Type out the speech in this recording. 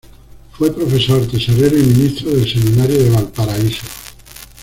Fue profesor, tesorero y ministro del Seminario de Valparaíso.